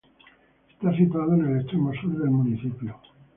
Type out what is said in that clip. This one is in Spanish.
Está situado en el extremo sur del municipio.